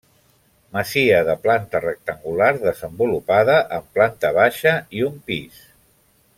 Masia de planta rectangular desenvolupada en planta baixa i un pis.